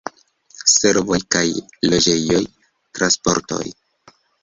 Servoj kaj loĝejoj, transportoj.